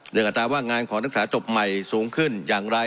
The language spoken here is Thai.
ยังงับตามว่างานของนักสำหรับสระจบสูงขึ้นยังไล